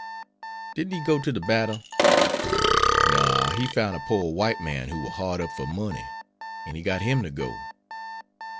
"Didn't he go to the battle?" "No; he foun' a pore white man who war hard up for money, an' he got him to go."